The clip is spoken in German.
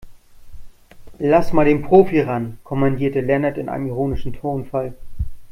Lass mal den Profi ran, kommandierte Lennart in einem ironischen Tonfall.